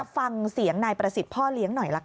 ฟังเสียงนายประสิทธิ์พ่อเลี้ยงหน่อยละกัน